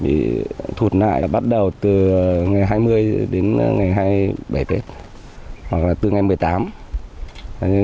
vì thu hút nại bắt đầu từ ngày hai mươi đến ngày hai mươi bảy tết hoặc là từ ngày một mươi tám